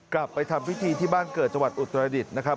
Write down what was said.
กลับไปทำพิธีที่บ้านเกิดจังหวัดอุตรดิษฐ์นะครับ